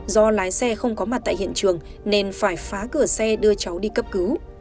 do lái xe không có mặt tại hiện trường nên phải phá cửa xe đưa cháu đi cấp cứu